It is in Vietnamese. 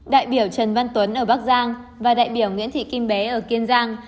đại biểu trần văn tuấn ở bắc giang và đại biểu nguyễn thị kim bé ở kiên giang